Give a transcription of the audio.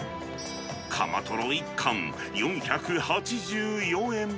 カマトロ１貫４８４円。